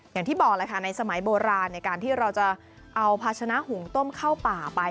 อย่างที่บอกแหละค่ะในสมัยโบราณในการที่เราจะเอาภาชนะหุงต้มเข้าป่าไป